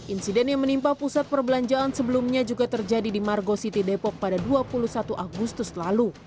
insiden yang menimpa pusat perbelanjaan sebelumnya juga terjadi di margo city depok pada dua puluh satu agustus lalu